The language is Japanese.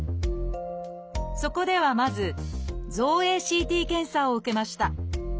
そこではまず造影ＣＴ検査を受けました。